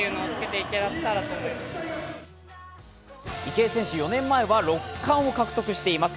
池江選手、４年前は６冠を獲得しています。